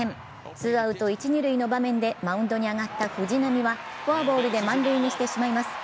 ツーアウト、一・二塁の場面でマウンドに上がった藤浪はフォアボールで満塁にしてしまいます。